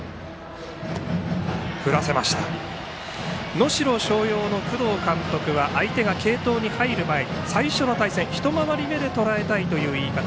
能代松陽の工藤監督は相手が継投に入る前に最初の対戦一回り目でとらえたいという言い方。